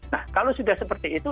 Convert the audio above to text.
nah kalau sudah seperti itu